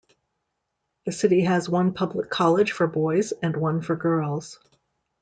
The city has one public college for boys and one for Girls.